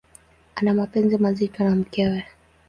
Ana mapenzi mazito na mkewe.